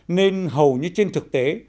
nên hầu như trên thực tế